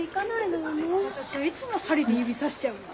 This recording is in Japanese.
私はいつも針で指刺しちゃうわ。